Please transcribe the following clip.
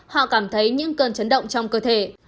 họ cảm thấy những cơn chấn động trong cơ thể